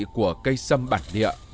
của cây sâm bản địa